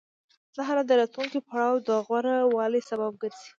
دا حالت د راتلونکي پړاو د غوره والي سبب ګرځي